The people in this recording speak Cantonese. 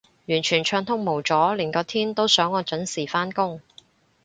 完全暢通無阻，連個天都想我準時返工